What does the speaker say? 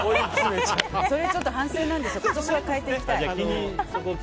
それは反省なので今年は変えていきたい。